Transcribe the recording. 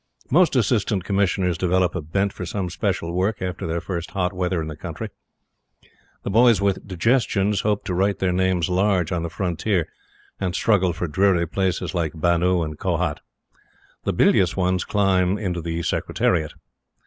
Most Assistant Commissioners develop a bent for some special work after their first hot weather in the country. The boys with digestions hope to write their names large on the Frontier and struggle for dreary places like Bannu and Kohat. The bilious ones climb into the Secretariat.